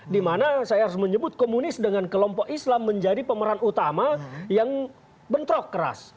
dimana saya harus menyebut komunis dengan kelompok islam menjadi pemeran utama yang bentrok keras